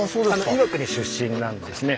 岩国出身なんですね。